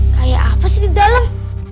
kayak apa sih di dalam